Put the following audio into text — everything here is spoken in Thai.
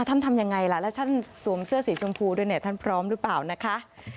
ทำยังไงล่ะแล้วท่านสวมเสื้อสีชมพูด้วยเนี่ยท่านพร้อมหรือเปล่านะคะ